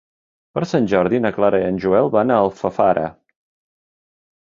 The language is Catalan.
Per Sant Jordi na Clara i en Joel van a Alfafara.